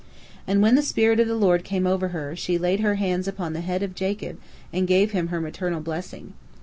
And when the spirit of the Lord came over her, she laid her hands upon the head of Jacob and gave him her maternal blessing.